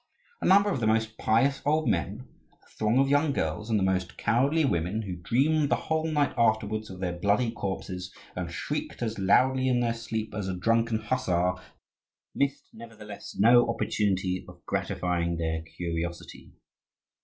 A number of the most pious old men, a throng of young girls, and the most cowardly women, who dreamed the whole night afterwards of their bloody corpses, and shrieked as loudly in their sleep as a drunken hussar, missed, nevertheless, no opportunity of gratifying their curiosity.